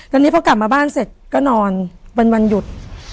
ตอนนี้พอกลับมาบ้านเสร็จก็นอนเป็นวันหยุด